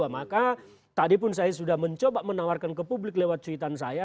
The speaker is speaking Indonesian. maka tadi pun saya sudah mencoba menawarkan ke publik lewat cuitan saya